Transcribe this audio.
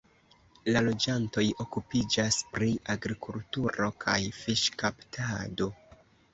La loĝantoj okupiĝas pri agrikulturo kaj fiŝkaptado.